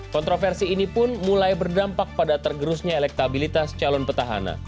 kontroversi ini pun mulai berdampak pada tergerusnya elektabilitas calon petahana